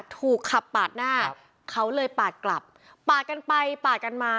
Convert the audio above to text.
ถูกขับปาดหน้าเขาเลยปาดกลับปาดกันไปปาดกันมา